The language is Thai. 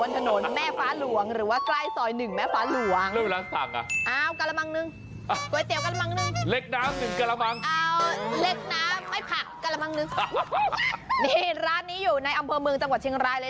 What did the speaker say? ติดตามกันเลยในช่วง